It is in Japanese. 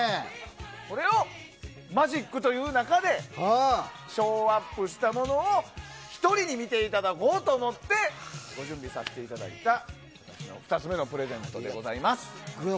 これをマジックという中でショーアップしたものを１人に見ていただこうと思ってご準備させていただいた２つ目のプレゼントでございます。